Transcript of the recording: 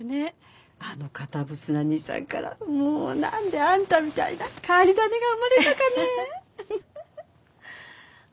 あの堅物な兄さんからもうなんであんたみたいな変わり種が生まれたかね。